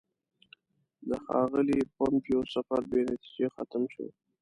د ښاغلي پومپیو سفر بې نتیجې ختم شو.